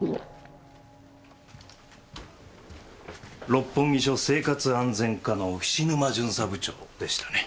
六本木署生活安全課の菱沼巡査部長でしたね。